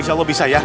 insya allah bisa ya